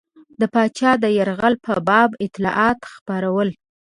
د پاچا د یرغل په باب اطلاعات خپرول.